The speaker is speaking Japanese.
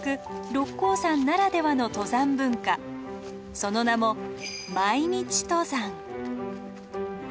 その名も「毎日登山」。